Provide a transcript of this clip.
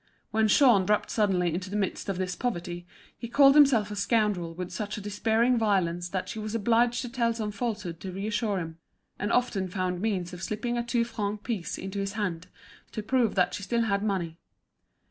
When Jean dropped suddenly into the midst of this poverty, he called himself a scoundrel with such a despairing violence that she was obliged to tell some falsehood to reassure him; and often found means of slipping a two franc piece into his hand, to prove that she still had money.